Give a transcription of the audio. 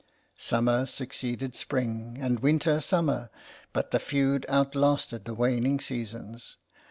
Summer succeeded spring, and winter summer, but the feud outlasted the waning seasons.